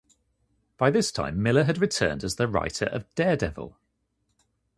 By this time, Miller had returned as the writer of "Daredevil".